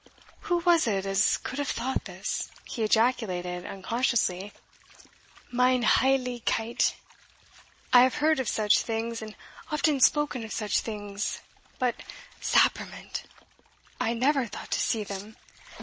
"Who was it as could have thought this?" he ejaculated unconsciously. "Mine heiligkeit! I have heard of such things, and often spoken of such things but, sapperment! I never, thought to see them!